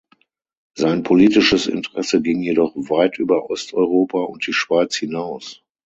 Sein politisches Interesse ging jedoch weit über Osteuropa und die Schweiz hinaus.